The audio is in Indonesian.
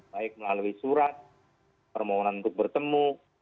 baik melalui surat permohonan untuk bertemu